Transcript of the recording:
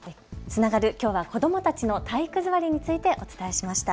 つながる、きょうは子どもたちの体育座りについてお伝えしました。